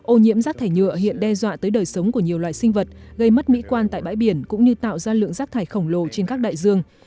ô nhiễm rác thải nhựa hiện đe dọa tới đời sống của nhiều loại sinh vật gây mất mỹ quan tại bãi biển cũng như tạo ra lượng rác thải khổng lồ trên các đại dương